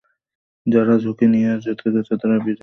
যাঁরা ঝুঁকি নিয়েও জিতে গেছেন, তাঁরা বিজয়ী হয়েও কাজ করতে পারছে না।